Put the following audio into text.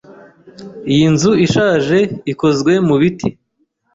Iyi nzu ishaje ikozwe mu biti.